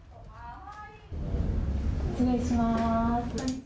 失礼します。